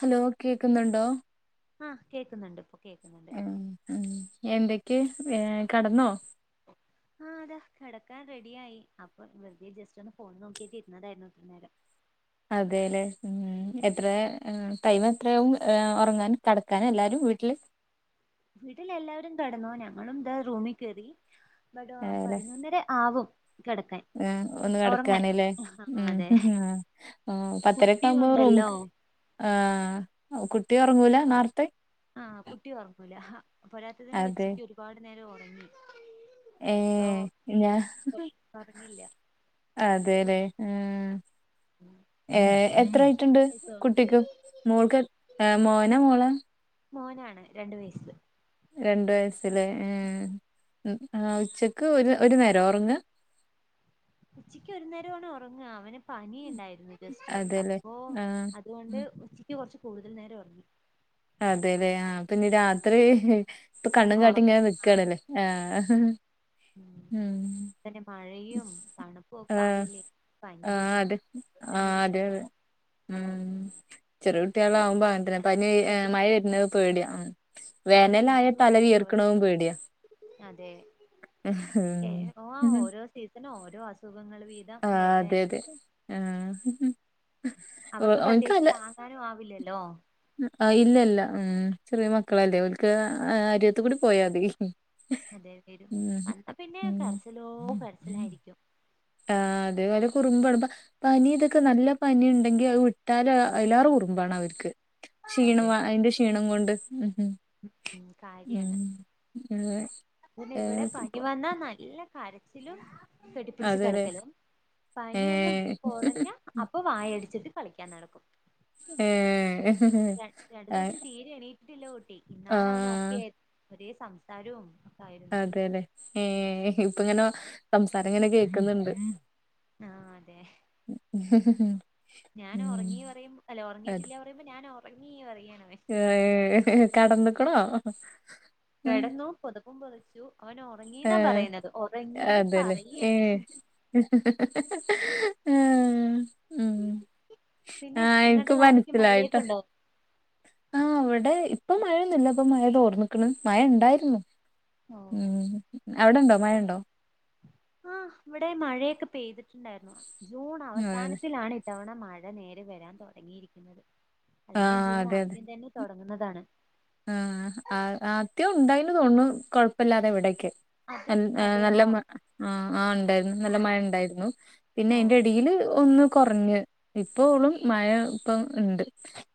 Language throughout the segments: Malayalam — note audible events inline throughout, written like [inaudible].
ഹലോ കേക്കുന്നുണ്ടോ ആഹ് കേക്കുന്നുണ്ട് ഇപ്പൊ കേക്കുന്നുണ്ട് ഉം ഉം എന്തൊക്കെ ഏഹ് കെടന്നോ ആ അതാ കിടക്കാൻറെഡിയായി. അപ്പൊ വെറുതെ ജസ്റ്റ് ഒന്ന് ഫോൺ നോക്കിട്ട് ഇരുന്നതായിരുന്നു. ഇത്ര നേരം. അതെല്ലേ ഉം എത്ര ടൈമ എത്രവും ഉറങ്ങാൻ കടക്കാനും എല്ലാവരും വീട്ടില്. വീട്ടിൽ എല്ലാവരും കടന്നു ഞങ്ങളുംന്താ റൂമിൽ കയറി. ബ്ട്ടെ പതിനൊന്നര ആവും കടക്കാൻ. ആ ഒന്ന് കിടക്കാനല്ലേ ഉ അതെ ആ പത്തരക്കെ കുട്ടിയും ആവുമ്പോ ഉണ്ടല്ലോ റൂമ്ക് ആ കുട്ടി ഉറങ്ങൂല നോറത്തെ. ആ കുട്ടി ഉർക്കൂല പോരാത്തതിനെ അതെ ഉച്ചക്ക് ഒരുപാട് നേരം ഉറങ്ങി. ഏ സോ ഞാ ഉറങ്ങില്ല അതെല്ലേ ഉം ഏ പിന്നെ ഭക്ഷണൊക്കെ എത്രയിട്ടുണ്ട് കഴിച്ചോ കുട്ടിക്ക് മോൾക്ക് മോന മോള. മോനാണ് രണ്ട് വയസ്സ്. രണ്ട് വയസ്സിലെ ഉച്ചക്ക് ഒരു ഒരു നേരം ഉറങ്ങ. ഉച്ചിക്ക് ഒരു നേരംവാണ് ഉറങ്ങ അവന് പനിണ്ടായിരുന്ന്. അതേല്ലേ അപ്പോ ആഹ് അതുകൊണ്ട് ഉച്ചിക്ക് കുറച്ച് കൂടുതൽ നേരം ഉറങ്ങി. അതെല്ലെ ആ പിന്നെ രാത്രി. ഇപ്പ കണ്ണും കാട്ടി ഇങ്ങനെ ഉറക്കം ആ നക്കണ് ല്ലേ അതെ ആ ഉം തന്നെ മഴയും തണുപ്പും ആ ഒക്കെ ആയില്ലേ പനി ആ വരും അതെ ആ ജലദോഷം വരും അതെ കുട്ടികൾക്ക് അതെ ഉം ചെറിയകുട്ടികള ആകുമ്പോ അങ്ങനത്തന്നെ പനി പ്രത്യേ മഴ വര്ന്നത് പേടിയ അവർക്ക് [unintelligible] മൂൾ കുറവായിട്ടും പേടിയാ അതെ ഏ ഉം ഓ ഓരോ സീസണും ഓരോ അസുഖങ്ങൾ വ ആ അതെ അതെ ഉ ഓന്ക്ക് ല്ല നാനും ആവില്ലല്ലോ? ആ ഇല്ലല്ല ഉ ചെറിയ മക്കളല്ലേ ഓൽക്ക് അരിത്ത് കൂടി പോയാൽ മതി. അതെ വരും അപ്പ പിന്നെ ഉം കരച്ചിലോ കരച്ചിലയിരിക്കും. ആ അതെ പോലെ കുറുമ്പ് ടപ്പ പനി ഇതൊക്കെ നല്ല പനി ഉണ്ടെങ്കിൽ അത് വിട്ടാല് അയിലേറെ കുറുമ്പാണ് അവർക്ക് ക്ഷീണം അയിന്റെ ക്ഷീണം കൊണ്ട് ഉ ഉ കാര്യാണ്. അതെ പിന്നെ ഇവിടെ പനി വന്നാ നല്ല കരച്ചിലും. കെട്ടിപ്പിടിച്ച് അതെല്ലേ കിടക്കലും. പനിയൊന്നും ഏഹ് കുറഞ്ഞ. അപ്പൊ വായടിച്ചിട്ട് കളിക്കാൻ നടക്കും. ഏ ഏ ര രണ്ടു ദിവസം തീരെ എണീറ്റിട്ടില്ല. കുട്ടി ഇന്നാണ് അവന് ആഹ് ഒക്കെ. ഒരേ സംസാരവും. അതേലെ ഏ ഇപ്പ ഇങ്ങനെ സംസാരം ഇങ്ങനെ കേക്കുന്ന്ണ്ട്. ആ അതെ ഉ ഞാൻ ഉറങ്ങി പറുമ്പോ അല്ലെ ഉറങ്ങീയിട്ടില്ല പറയുമ്പോ ഞാൻ ഉറങ്ങി പറയണവേ. ഏ കടന്നക്ക്ണോ? കിടന്നു പുതപ്പും പൊതച്ചു അവന് ഉറങ്ങീന്നാ ഏഹ് പറയുണത് ഉറങ്ങീന്ന് പറയാണ്. ആഹ ഹഹഹ ഉം പിന്നെ ആ എനിക്ക് നിങ്ങളുടെ നാട്ടിക്ക് മനസിലായിട്ടോ. മഴയൊക്കെ ഉണ്ടോ ആ അവിടെ ഇപ്പൊ മഴയൊന്നുല ഇപ്പം മഴ തോർന്നിക്കണ് മഴണ്ടായിരുന്നു. ഓ ഉം അവിടെണ്ടോ മഴ ഉണ്ടോ? ആഹ് ഇവിടെ മഴയൊക്കെ പെയ്തിട്ടുണ്ടായിരുന്നു ജൂൺ ആഹ് അവസാനത്തിലാണ് ഇത്തവണ മഴ നേരെ വരാൻ തുടങ്ങിയിരിക്കുന്നത് അല്ലെങ്കിൽ ആഹ് ജൂൺ അതെ അതെ ആദ്യം തന്നെ തുടങ്ങുന്നതാണ് ആഹ് ആ ആദ്യം ഉണ്ടായിന്ന് തോന്നുണു കൊഴപ്പില്ലാതെ ഇവിടെക്കെ അത് എൻ നല്ല അതെയോ മ ആഹ് ആ ഉണ്ടായിരുന്നു നല്ല മഴ ണ്ടായിരുന്നു പിന്നെ ഓ ഇയിന്റെ ഇടയില് ഒന്ന് കൊറഞ്ഞ് ഇപ്പോളും മഴ ഇപ്പം ണ്ട്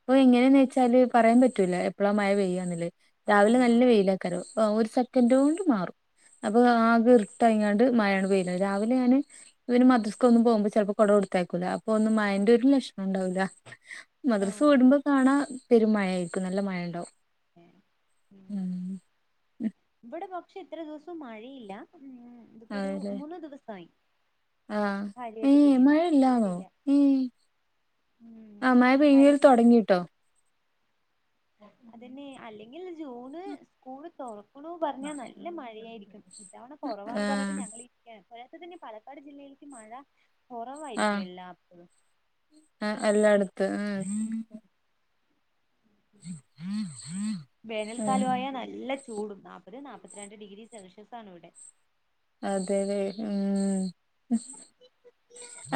പ്പൊ എങ്ങനെയന്ന് വെച്ചാല് പറയാൻ പറ്റൂല എപ് പ്പളാ മയ പെയ്യാന്നല്ലേ രാവിലെ ആഹ് നല്ല വെയിലാക്കാരം ഒരു സെക്കൻഡോണ്ട് മാറും. അപ്പൊ ആകെ ഇർട്ടായ്ങ്ങാണ്ട് മഴയാണ് പെയ്തത് രാവിലെ ഞാന് ഇവന് മദ്രസ്ക ഒന്നും പോകുമ്പോ ചിലപ്പോ കൊട കൊടുത്തയക്കൂല അപ്പൊ ഒന്നും മയേന്റെ ഒരു ലക്ഷണം ഉണ്ടാവൂലാ. മദ്രസ ആഹ് വിടുമ്പോ കാണാ പെരും മഴ ആയിക്കും നല്ല മഴയണ്ടാവും. ഇവടെ പ ക്ഷെ ഇത്ര ദിവസവും മഴയില്ല ഉം ഇതിപ്പോ ഒരു അതെല്ലേ മൂന്ന് ദിവസായി. ആഹ് ഏ കാര്യായിട്ട് പെയ്യുന്നു മഴയില്ലാന്നോ ഇതുവരെയില്ല ഏ ഉം ആ മഴ പെയ്യൽ കാര്യ തൊട ങ്ങിട്ടോ അതന്നെ അല്ലെങ്കിൽ ജൂണ് സ്കൂള് തുറക്കണു പറഞ്ഞാ നല്ല മഴയാരിക്കും. ഇത്തവണ കുറവാണ് പറഞ്ഞിട്ട് ആഹ് ഞങ്ങളിരിക്ക [unintelligible] തന്നെ പാലക്കാട് ജില്ലയിലേക്ക് മഴ കൊറവായിരിക്കും എല്ലാർത്തും ആഹ് എല്ലാടത്ത് ഉം ഉം വേനൽക്കാലവായ നല്ല ച് ചൂടും നാപ്പത് നാപ്പത്തിരണ്ട് ഡിഗ്രി സെൽഷ്യസാണിവിടെ. അതേലേ ഉം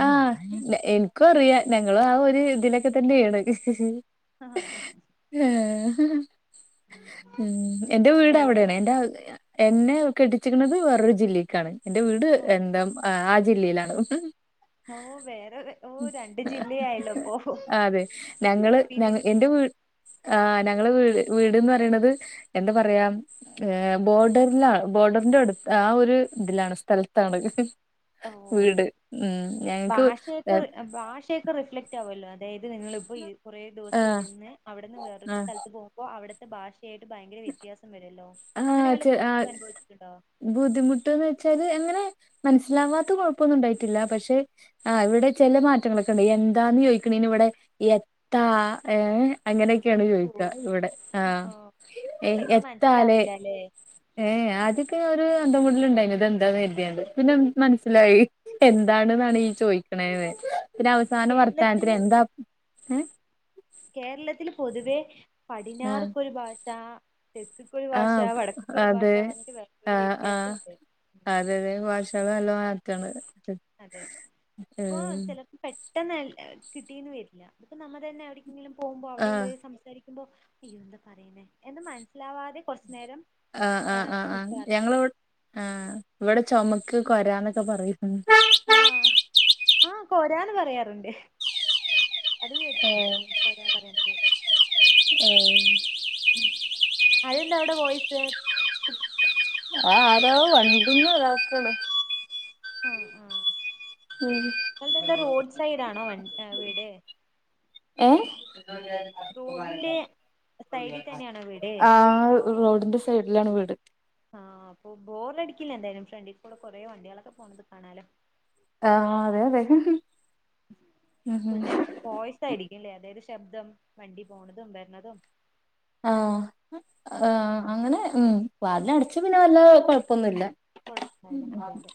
ആഹ് എൻ ക്കുംഅറിയാം ഞങ്ങളും ആ ഒരു ഇതിലൊക്കെ തന്നെയാണ്. ആഹ് ഉം എന്റെ വീട് ചിലർ അവിടെയാണ് എന്റെ എന്നെ കെട്ടിച്ചിക്കണത് വേറൊരു ജില്ലക്കാണ് എൻറെ വീട് ഓ എന്താ ആ ജില്ലയിലാണ്. ഓ വേറെ ഓ രണ്ട് ജില്ലയായല്ലോ ഇപ്പൊ അതെ ഞങ്ങള് ഞങ്ങ എക്സ്പീരിയൻസ് എന്റെ ചെയ്യണു വീ ആഹ് ഞങ്ങളെ വീട് വീട്ന്ന് പറയണത് എന്താ പറയാ ഏഹ് ബോർഡറിലാ ബോർഡറിന്റെ അടുത്ത് ആ ഒരു ഇതിലാണ് സ്ഥലത്താണ്. ഓഹ് വീട് ഉം ഞങ്ങക്ക് ഭാഷയൊക്കെ ആഹ് ഭാഷയൊക്കെ റിഫ്ല ക്റ്റാവുല്ലോ അതായത് നിങ്ങളിപ്പോ കുറേ ദിവസം ഇരുന്ന് അവിടെന്ന് വേറൊരു ആഹ് സ്ഥലത്ത് പോകുമ്പോ അവിടെത് ത്തെ ഭാഷയായിട്ട് ഭയങ്കര വ്യത്യാസം വരുല്ലോ അങ്ങന ആഹ് വല്ല ചെ ആ ബുദ്ധിമുട്ടും അനുഭവിച്ചിട്ടുണ്ടോ? ബുദ്ധിമുട്ട്ന്ന് വെച്ചാല് എങ്ങനെ മനസ്സിലാവാത്ത കൊഴപ്പൊന്നും ഉണ്ടായിട്ടില്ല പക്ഷെ ആഹ് ഇവിടെ ചെല മാറ്റങ്ങളൊക്കെണ്ട് എന്താന്ന് ചോയിക്കണേനിവിടെ എത്താ ഏ ഓ അങ്ങനെയൊക്കെയാണ് ചോയിക്കുക ഇവിടെ ആഹ് ഏ പെട്ടെന്ന് എത്താലേ മനസ്സിലാവില്ല അല്ലേ ഏഹ് ആദ്യൊക്കെ ഒരു അന്തംവിടിൽ ഉണ്ടായിന് ഇത് എന്താന്ന് കരുതിയാണ്ട് പിന്നെ മനസ്സിലായി. എന്താണ് ന്നാണ് ഈ ചോയിക്കണേന്ന് പിന്നെ അവസാന വർത്താനത്തിന് കേരളത്തില് എന്താ ഏ കേരളത്തില് പൊതുവേ ആഹ് പടിഞ്ഞാറ്ക്കൊരു ഭാഷ തെക്ക്ക്കൊരു ഭാഷ ആഹ് വടക്ക്ക്കൊരു ഭാഷ അതെ പറഞ്ഞിട്ട് ഭയങ്കര ആഹ് ആഹ് വ്യത്യാസംണ്ട്. അതെ അതെ ഭാഷകൾ നല്ല മാറ്റാണ് അതെ ഇപ്പൊ ഉം ചെലർക്ക് പെട് ട്ടെന്ന് കിട്ടീന്ന് വരില്ല അതിപ്പോ നമ്മൾ തന്നെ എവിടെക്കെങ്കിലും പോകുമ്പോൾ ആഹ് അവിടെയുള്ളവര് സം രിക്കുമ്പോ അയ്യോ എന്താ പറയുന്നേ എന്ന് മനസ്സിലാവാതെ കൊറച്ചു നേരം ആഹ് ആഹ് ഏഹ് ആഹ് ആഹ് നിക്കാറ് ഞങ്ങളിവ് ആഹ് ഇവിടെ ചൊമക്ക് കൊരാന്നൊക്കെ പറയും ഉം ആഹ് ആഹ് കൊരാന്ന് പറയാറുണ്ട്. അത് കേട്ടട്ടുണ്ട് ഏഹ് പോരാ പറയണത്. ഏഹ് അതന്താ അവിടെ വോയിസ്? ആരോ വണ്ടിട്ടന്ന ഒരാക്കാണ്. ആഹ് ആഹ് ഉം ങ്ങൾദെന്താ റോഡ് സൈഡ് ആണോ വീട്? ഏഹ് റോഡിന്റെ സൈഡിൽ തന്നെയാണോ വീട് ആഹ് റോഡിന്റെ സൈഡിലാണ് വീട്. ആഹ് അപ്പൊ ബോർ അടിക്കില്ല എന്തായാലും ഫ്രണ്ട്കൂടെ കൊറെ വണ്ടികളൊക്കെ പോണത് കാണാലോ. ആഹ് അതെ അതെ ഉം പോയിസ് ആയിരിക്കുംല്ലേ അതായത് ശബ്ദം വണ്ടി പോണതും വരണതും? ആഹ് ആഹ് ഉം അങ്ങനെ ഉം വാതിലടച്ച് പിന്നെ വല്ലാ കൊഴപ്പൊന്നുല്ല. കുഴപ്പണ്ടാവില്ല അതെ അതെ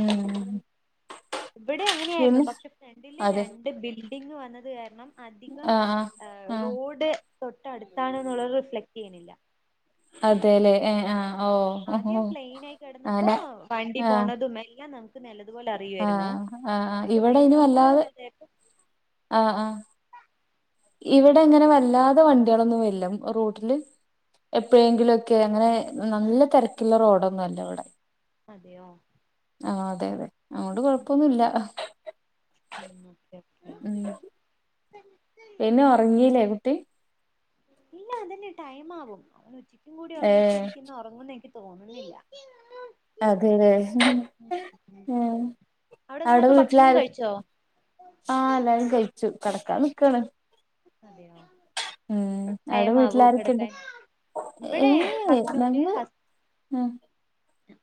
ഉം ഇവിടെ അങ്ങനെയായിരുന്നു പിന്നെ പക്ഷെ ഫ്രണ്ടില് അതെ രണ്ട് ബിൽഡിംഗ്‌ വന്നത് കാരണം അധികം ആഹ് റോഡ് തൊട്ടടുത്താണ് എന്നുള്ളത് റിഫ്ലക്ട് ചെയ്യുന്നില്ല അതെല്ലേ ഏഹ് ആഹ് ഓഹ് ആദ്യം ഓഹ് പ്ലെയിൻ ആയി കിടന്നപ്പോ അങ്ങനെ വണ്ടി ആഹ് പോണതും എല്ലാം നമുക്ക് നില അതുപോലെ അറിയുവായിരുന്നു ആഹ് ആഹ് ഇപ്പൊ ഇവിടെ അയിന് ബില്ഡിങ്ങുകൾ വല്ലാതെ വലുതായപ്പോ ആഹ് ആഹ് ഉം ഇവിടെ എങ്ങനെ അറിയ വല്ലാതെ വണ് ട്ടികളൊന്നും വര്ല്ല റോട്ടില് എപ്പോഴെങ്കിലും ഒക്കെ അങ്ങനെ നല്ല തിരക്കിള്ള റോഡൊന്നും അല്ല ഇവിടെ അതെയോ ആഹ് അതെ അതെ അതുകൊണ്ട് കൊഴപ്പൊന്നുമില്ല ഉം ഓക്കെ ഉം ഓക്കെ ഇല ഉറങ്ങീല്ലേ കുട്ടി ഇല്ല അതന്നെ ടൈംമാവും അവൻ ഉച്ചക്കും കൂടി ഏ ഉറങ്ങി സ്ഥിതിക്കു ഇന്ന് ഉറങ്ങുന്ന് ഇൻക്ക് തോന്നുന്നില്ല അതെലെ ഉം അവിടെങ്ങളൊക്കെ ഭക്ഷണം കഴിച്ചോ ആഹ് എല്ലാരും കഴിച്ചു കടക്കാ നിക്കാണ് അതെയോ ഉം അവിടെ ടൈം ആവോ വീട്ടിലാരൊക്കെയുണ്ട് കിടക്കാൻ ഇവിടെ ഹസ്ബന്റ് ഹസ് ഉം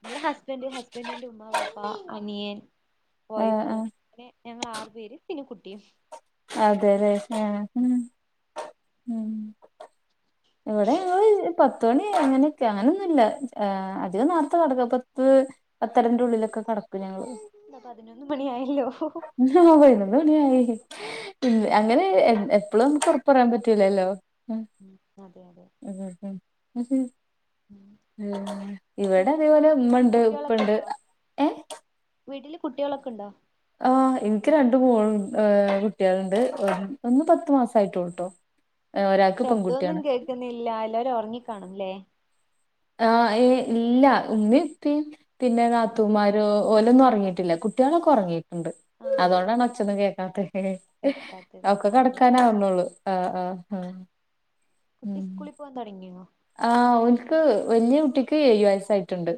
ഇവിടെ ഹസ്ബന്റ് ഹസ്ബന്റിന്റെ ഉമ്മ വാപ്പ അനിയൻ ആ വൈഫ് ആ പിന്നെ ഞങ്ങള് ആറു പേര് പിന്നെ കുട്ടിയും അതെല്ലേ ആഹ് ഉം ഉം ഇവിടെ ങ്ങള് പത്ത് മണി അങ്ങനെയൊക്കെ അങ്ങനെയൊന്നുമില്ല അധികം നേരത്തെ കിടക്ക പത്ത് പത്തരന്റെ ഉള്ളിലൊക്കെ കിടക്കും ഞങ്ങള് എന്താ പതിനൊന്ന് മണിയായല്ലോ ഹ് ഹാ പതിനെന്ന് മണിയായി അങ്ങനെ എപ്പഴും നമുക്ക് ഉറപ്പ്‌ പറയാൻ പറ്റൂലല്ലോ ഉം അതെ അതെ മ്മ്ഹ മ്മ്ഹ ഉം [unintelligible] ഉം ഇവിടെ പിന്നെ അതേപോലെ വീട്ടില് ഉമ്മണ്ട് കുട്ടികളൊക്കെ ഉപ്പണ്ട് ഉണ്ടോ ഏഹ് വീട്ടില് കുട്ടികളൊക്കെ ഉണ്ടോ ആഹ് എനിക്ക് രണ്ട് മോള് ഏഹ് കുട്ടികളുണ്ട് ഒന്ന് പത്തു മാസയിട്ടുളോട്ടോ ശബ്ദോന്നും കേൾക്കുന്നില്ല എല്ലാവരും ഉറങ്ങിക്കാണും ല്ലേ ആഹ് ഏ ഇല്ല ഉമ്മയും ഉപ്പിം പിന്നെ നാത്തൂമാരോ ഓല് ഒന്നും ഒറങ്ങിയിട്ടില്ല കുട്ടികളൊക്കെ ഒറങ്ങി ഉണ്ട് ആഹ അതുകൊണ്ടാണ് ഒച്ഛന്നും കേക്കാത്തെ കേക്കാത്തത് ഒക്കെ അതെ കടക്കാനാവുന്നുള്ളു ആഹ് ആഹ് കുട്ടി ഉം സ്കൂളി പോവാൻ തുടങ്ങിയോ ആഹ് ഒല്ക്ക് വലിയ കുട്ടിക്ക് ഏയ് വയസ്യായിട്ടുണ്ട്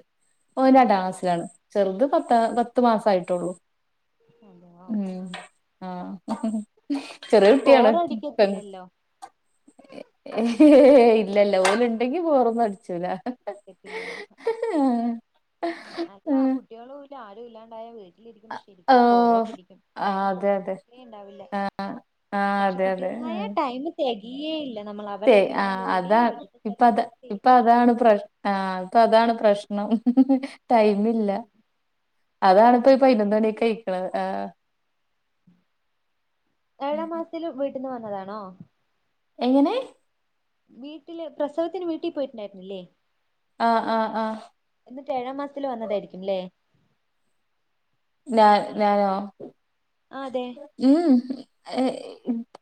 ഓന് ഓ ഓ രണ്ടാംക്ലാസ്സിലാണ് ചെറുത് പത്താ പത്ത് മാസം ആയിട്ടുള്ളൂ അതെയോ ഉം ആഹ് ചെറിയ അപ്പൊ കുട്ടിയാണ് രണ്ട് ബോറടിക്കത്തില്ലല്ലോ ഏ ഇല്ല ഇല്ല ഓല് ഉണ്ടെങ്കി വോറൊന്നും അടിച്ചൂല കേപ്പില്ല ആഹ് അല്ല ആണ്കുട്ടികളും ഇല്ല ആരും ഇല്ലാണ്ടായ വി ൽ ഇരിക്കുമ്പ ശരിക്കും ബോറ് ഓഹ് അടിക്കും ആഹ് ടൈമ് അതെ അതെ പോണതെ ഉണ്ടാവില്ലാ ആഹ് പക്ഷെ അതെ കുട്ടികളായ ടൈമ് തികയേയില്ല തേ ആ അതാണ് ഇപ്പ അത് കാര്യങ്ങളൊക്കെ ഇപ്പ ചെയ്ത് അതാണ് പ്രശ് ആഹ് ഇപ്പ അതാണ് പ്രശ് ടൈമ് ഇല്ല അതാണിപ്പ ടൈമില്ല പൈനൊന്ന് മണിയൊക്കെ കഴിക്കണത് ആഹ് ഏഴാം മാസല് വീട്ടിന്ന് വന്നതാണോ എങ്ങനെ വീട്ടിൽ പ്രസവത്തിന് വീട്ടിൽ പോയിട്ടുണ്ടായിരുന്നല്ലേ ആഹ് ആഹ് ആഹ് എന്നിട്ട് ഏഴാം മാസത്തിൽ വന്നതായിരിക്കുംല്ലേ ഞാൻ ഞാനോ ആഹ് അതെ ഉം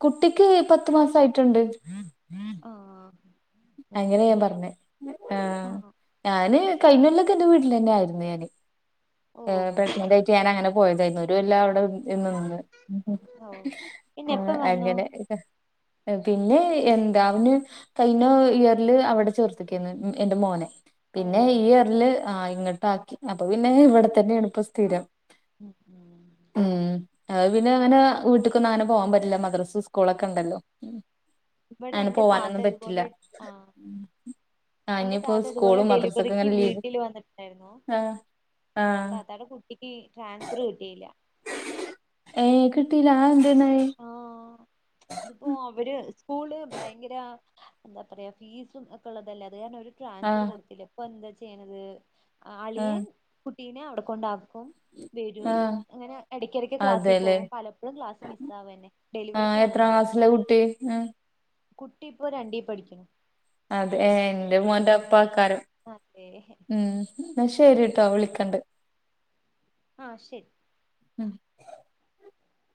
കുട്ടിക്ക് പത്ത് മാസയിട്ടുണ്ട് ആഹ് അങ്ങനെ ഞാൻ പറഞ്ഞെ ആ ആഹ് ഞാന് കഴിഞ്ഞല്ലൊക്കെ എന്റെ വീട്ടിൽന്നെ ആയിരുന്നു ഞാന് ഓ പ്രെഗ്നന്റ്നായിട്ട് ഞാൻ അങ്ങനെ പോയതായിരുന്നു ഒരു കൊല്ലം അവിടെ എന്നൊന്ന് ഓ പിന്നെ എപ്പ വന്നു അങ്ങനെ പിന്നെ എന്താ അവന് ക പിന്നെ ഇയറില് അവിടെ ചേർത്തിക്കയ്നൂ എന്റെ മോനെ ഓ പിന്നെ ഈ ഇയറില് ആഹ് ഇങ്ങോട്ട് ആക്കി അപ്പൊ പിന്നെ ഇവിടെ തന്നെയാണ് ഇപ്പ സ്ഥിരം ഉം ഉം പിന്നെ അങ്ങനെ വീട്ടിക്കൊന്നും അങ്ങനെ പോവാൻ പറ്റില്ല മദ്രസ സ്കൂളൊക്കെ ഉണ്ടല്ലോ ഇവിടെ അങ്ങനെ ഇന്റെ താത്ത പോവാനൊന്നും പറ്റില്ല ഇതുപോലെ ആഹ് ആ എന്റെ ഇനിയിപ്പോ താത്ത ഇതുപോലെ സ്കൂളും മദ്രസൊക്കെ ഡെലിവറിക്ക് ഇങ്ങനെ ലീവ് വീട്ടില് വന്നിട്ടായിരുന്നു ആ ആ താത്താടെ കുട്ടിക്ക് ട്രാൻസ്ഫർ കിട്ടില്ല ഏഹ് കിട്ടീല അതെന്യാണോ ആഹ് ഇതിപ്പോ അവര് സ്കൂള് ഭയങ്കര എന്താ പറയുക ഫീസും ഒക്കെ ഉള്ളതല്ലേ അത് കാരണം ഒരു ആ ട്രാൻസ്ഫർ കൊടുത്തില്ല അപ്പൊ എന്താ ചെയ്യണത് ആ അളിയൻ കുട്ടീനെ അവിടെ കൊണ്ട ആക്കും വരും ആ അങ്ങനെ ഇടയ്ക്ക് ഇടയ്ക്ക് ക്ലാസ്സിൽ അതെല്ലേ പോകും പലപ്പോഴും ക്ലാസ് മിസ് സാവന്നെ ഡെലിവറിക്ക് വന്നതാൾ ല്ല കുട്ടീ ഉം കുട്ടി ഇപ്പൊ രണ്ടീ പഠിക്കണു അതെ ഏ എന്റെ മോന്റെ ഒപ്പം ആയ്ക്കാരം [unintelligible] ഉം എന്ന ശരിട്ടോ വിളിക്കണ്ട് ആ ശരി ഉം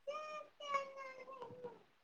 [unintelligible]